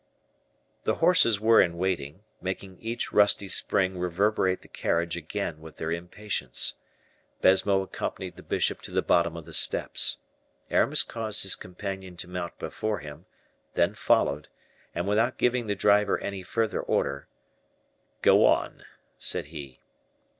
The horses were in waiting, making each rusty spring reverberate the carriage again with their impatience. Baisemeaux accompanied the bishop to the bottom of the steps. Aramis caused his companion to mount before him, then followed, and without giving the driver any further order, "Go on," said he.